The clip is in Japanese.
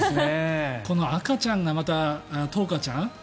この赤ちゃんがまたとうかちゃん？